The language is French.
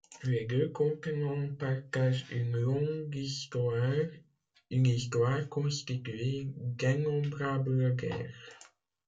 Les deux continents partagent une longue histoire, une histoire constituée d'innombrables guerres.